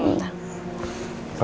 nanti mau peluk